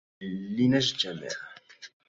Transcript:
لنجتمع.